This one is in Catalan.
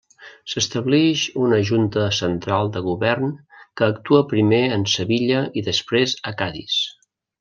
S'establix una Junta Central de Govern que actua primer en Sevilla i després a Cadis.